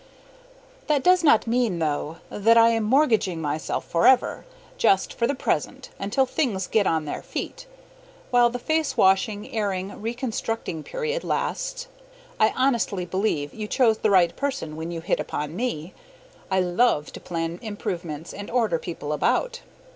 That does not mean, though, that I am mortgaging myself forever. Just for the present, until things get on their feet. While the face washing, airing, reconstructing period lasts, I honestly believe you chose the right person when you hit upon me. I LOVE to plan improvements and order people about.